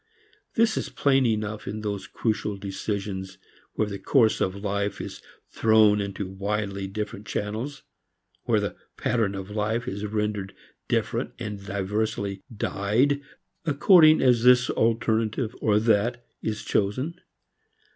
This is plain enough in those crucial decisions where the course of life is thrown into widely different channels, where the pattern of life is rendered different and diversely dyed according as this alternative or that is chosen.